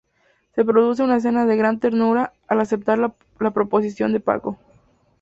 Se produce una escena de gran ternura, al aceptar la proposición de Paco.